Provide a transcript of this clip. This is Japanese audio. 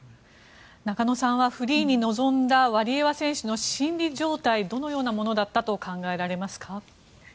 中野さんはフリーに臨んだワリエワ選手の心理状態はどのようなものだったと考えられますか？